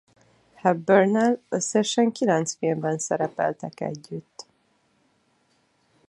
Hepburnnel összesen kilenc filmben szerepeltek együtt.